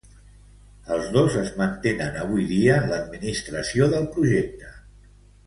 Els dos es mantenen avui dia en l'administració del projecte.